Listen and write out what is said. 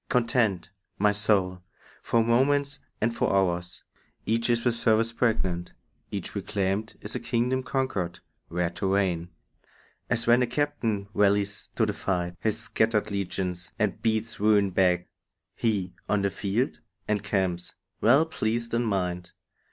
Contend, my soul, for moments and for hours; Each is with service pregnant; each reclaimed Is as a kingdom conquered, where to reign. As when a captain rallies to the fight His scattered legions, and beats ruin back, He, on the field, encamps, well pleased in mind.